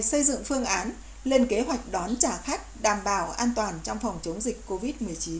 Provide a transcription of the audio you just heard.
xây dựng phương án lên kế hoạch đón trả khách đảm bảo an toàn trong phòng chống dịch covid một mươi chín